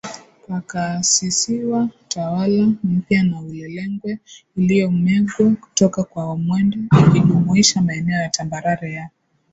pakaasisiwa tawala mpya ya Ulelengwe iliyomegwa toka kwa wamwenda ikijumuisha maeneo ya tambarare ya